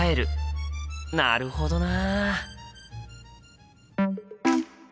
なるほどな。